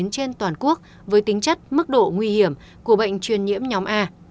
trên toàn quốc với tính chất mức độ nguy hiểm của bệnh truyền nhiễm nhóm a